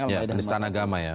ya di setan agama ya